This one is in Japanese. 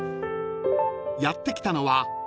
［やって来たのは］